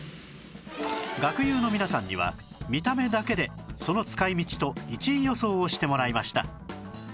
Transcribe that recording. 学友の皆さんには見た目だけでその使い道と１位予想をしてもらいました